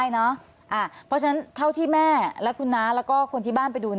เพราะฉะนั้นเท่าที่แม่และคุณน้าแล้วก็คนที่บ้านไปดู